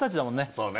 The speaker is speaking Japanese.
そうね